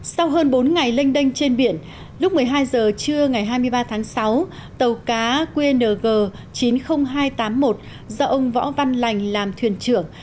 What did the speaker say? sau hơn bốn ngày lênh đênh trên biển lúc một mươi hai h trưa ngày hai mươi ba tháng sáu tàu cá qng chín mươi nghìn hai trăm tám mươi một do ông võ văn lành làm thuyền trưởng